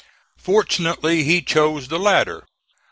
Fortunately, he chose the latter.